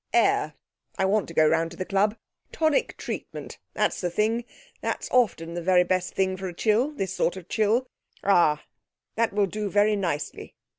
'Air! (I want to go round to the club) tonic treatment! that's the thing! that's often the very best thing for a chill this sort of chill.... Ah, that will do very nicely.